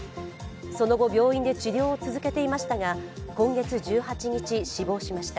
その後、病院で治療を続けていましたが今月１８日死亡しました。